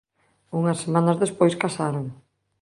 Unhas semanas despois casaron.